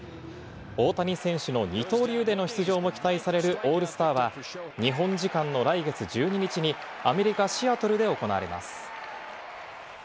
大谷選手の二刀流での出場も期待されるオールスターは日本時間の来月１２日にアメリカ・シアトルで行われます。